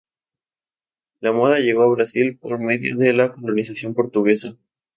La moda llegó a Brasil por medio de la colonización portuguesa.